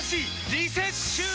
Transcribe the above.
リセッシュー！